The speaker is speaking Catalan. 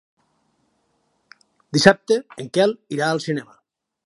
Dissabte en Quel irà al cinema.